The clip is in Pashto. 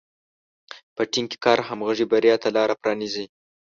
په ټیم کار کې همغږي بریا ته لاره پرانیزي.